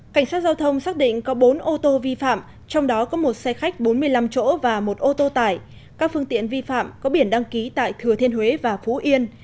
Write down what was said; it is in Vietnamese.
cảnh sát giao thông xác định có bốn ô tô vi phạm trong đó có một xe khách bốn mươi năm chỗ và một ô tô tải các phương tiện vi phạm có biển đăng ký tại thừa thiên huế và phú yên